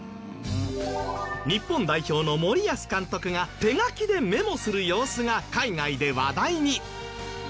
日本代表の森保監督が手書きでメモする様子が海外で話題に。